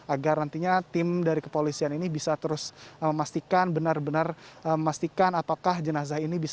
agar nantinya tim dari kepolisian ini bisa terus memastikan benar benar memastikan